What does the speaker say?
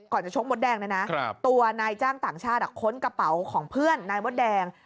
จะชกมดแดงเนี่ยนะตัวนายจ้างต่างชาติค้นกระเป๋าของเพื่อนนายมดแดง